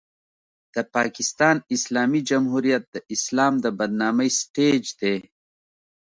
د پاکستان اسلامي جمهوریت د اسلام د بدنامۍ سټېج دی.